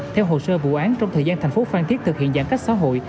theo hồ sơ vụ án trong thời gian thành phố phan thiết thực hiện giãn cách xã hội